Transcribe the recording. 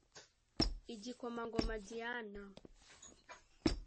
igikomangoma Diana